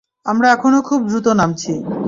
আমরা এখনো খুব দ্রুত নামছি।